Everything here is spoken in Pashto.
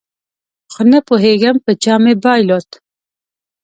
خو نپوهېږم په چا مې بایلود